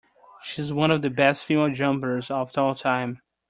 She is one of the best female jumpers of all time.